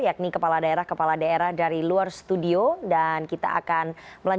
yakni kepala daerah kepala daerah dari lidl